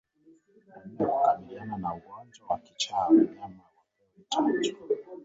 Namna yakukabiliana na ugonjwa wa kichaa wanyama wapewe chanjo